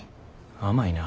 甘いなぁ。